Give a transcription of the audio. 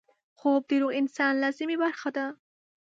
خوب د روغ انسان لازمي برخه ده